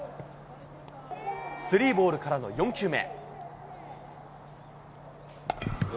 スリーボールからの４球目。